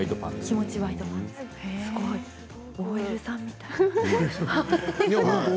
すごい、ＯＬさんみたい。